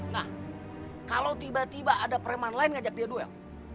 nah kalau tiba tiba ada preman lain ngajak dia duel